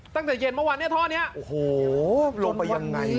ตั้งแต่เย็นเมื่อวานเนี่ยท่อนี้โอ้โหลงไปยังไง